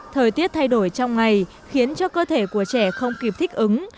thời tiết thay đổi trong ngày khiến cho cơ thể của trẻ không kịp thích ứng